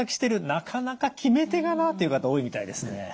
なかなか決め手がなという方多いみたいですね。